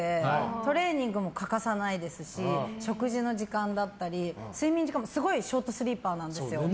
トレーニングも欠かさないですし食事の時間だったり睡眠時間もすごいショートスリーパーなんですよ。